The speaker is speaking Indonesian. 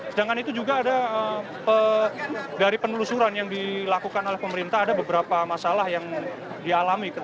sedangkan itu juga ada dari penelusuran yang dilakukan oleh pemerintah ada beberapa masalah yang dialami